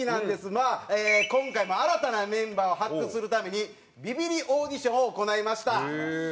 まあ今回も新たなメンバーを発掘するためにビビリオーディションを行いました。